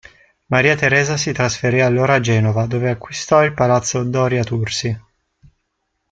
Maria Teresa si trasferì allora a Genova, dove acquistò il Palazzo Doria-Tursi.